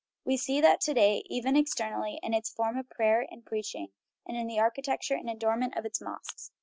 We see that to day, even externally, in its forms of prayer and preach ing, and in the architecture and adornment of its mosques.